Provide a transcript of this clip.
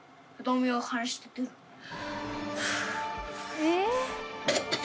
えっ？